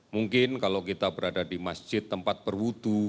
mungkin kalau kita berada di masjid tempat perwudu